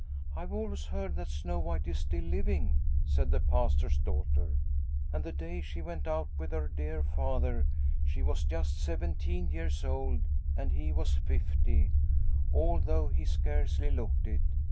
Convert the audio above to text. " I have always heard that Snow White is still living," said the Pastor's daughter, " and the day she went out with her dear Father, she was just seventeen years old and he was fifty, although he scarcely looked it.